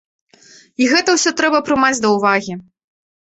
І гэта ўсё трэба прымаць да ўвагі.